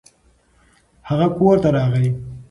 هغه کور ته راغی.